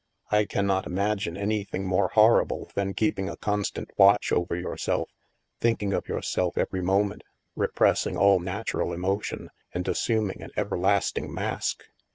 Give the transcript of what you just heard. I cannot imagine anything more horrible than keep ing a constant watch over yourself, thinking of your self every moment, repressing all natural emotion, and assuming an everlasting mask.